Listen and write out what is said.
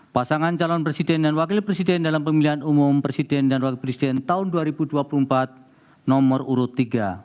pasangan calon presiden dan wakil presiden dalam pemilihan umum presiden dan wakil presiden tahun dua ribu dua puluh empat nomor urut tiga